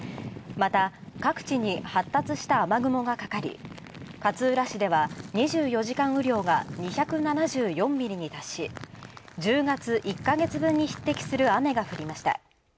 また、各地に発達した雨雲がかかり勝浦市では２４時間雨量が２７４ミリに達し、１０月１か月分に匹敵する雨が降りました。